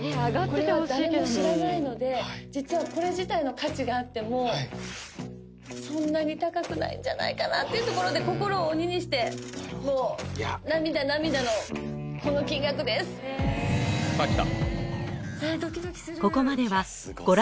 これは誰も知らないので実はこれ自体の価値があってもそんなに高くないんじゃないかなっていうところで心を鬼にしてもう涙涙のこの金額ですえっ？